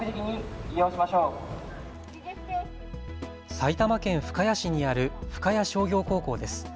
埼玉県深谷市にある深谷商業高校です。